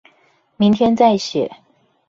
明天再寫